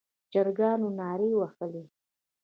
چرګانو نارې وهلې.